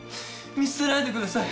見捨てないでください。